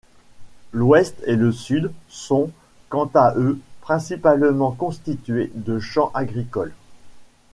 L'ouest et le sud sont, quant à eux, principalement constitués de champs agricoles.